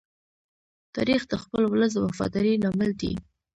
تاریخ د خپل ولس د وفادارۍ لامل دی.